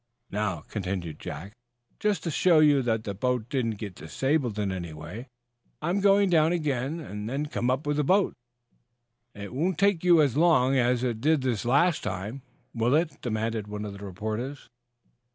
"Now," continued Captain Jack, "just to show you that the boat didn't get disabled in any way, I'm going down again and then come up with the boat." "It won't take you as long as it did this last time, will it?" demanded one of the reporters.